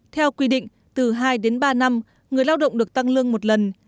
theo quy định từ hai đến ba năm người lao động được tăng lương một lần